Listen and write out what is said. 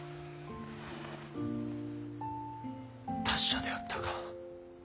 達者であったか。